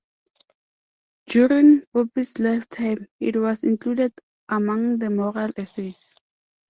During Pope's lifetime, it was included among the "Moral Essays".